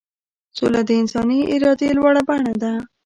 سوله د انساني ارادې لوړه بڼه ده.